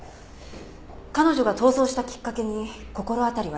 彼女が逃走したきっかけに心当たりはありませんか？